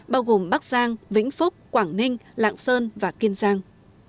bao gồm bắc giang vĩnh phúc quảng ninh lạng sơn và kiên giang